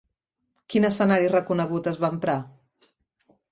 Quin escenari reconegut es va emprar?